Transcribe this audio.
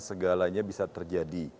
segalanya bisa terjadi